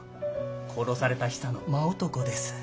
殺されたヒサの間男です。